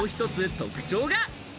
特徴が。